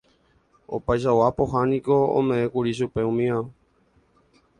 Opaichagua pohã niko ome'ẽkuri chupe umíva